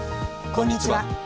こんにちは。